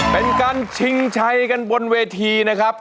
เป็นการชิงชัยกันบนเวทีนะครับ